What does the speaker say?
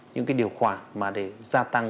những cái điều khoản mà để gia tăng